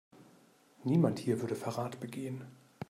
Niemand hier würde Verrat begehen.